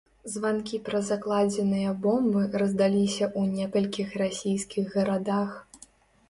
Званкі пра закладзеныя бомбы раздаліся ў некалькіх расійскіх гарадах.